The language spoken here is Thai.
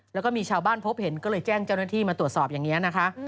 แล้วก็มีชาวบ้านพบเห็นก็เลยแจ้งเจ้าหน้าที่มาตรวจสอบอย่างนี้นะคะ